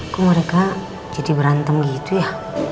kok mereka jadi berantem gitu ya